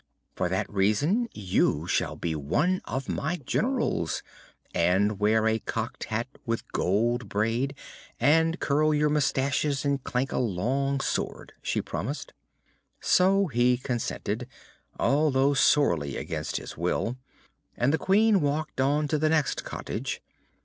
"For that reason you shall be one of my Generals, and wear a cocked hat with gold braid, and curl your mustaches and clank a long sword," she promised. So he consented, although sorely against his will, and the Queen walked on to the next cottage.